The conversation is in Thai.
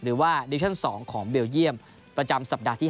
หรือว่าดิชั่น๒ของเบลเยี่ยมประจำสัปดาห์ที่๕